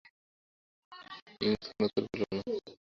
ইংরেজ কোনো উত্তর করিল না।